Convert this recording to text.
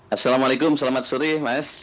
assalamualaikum selamat sore mas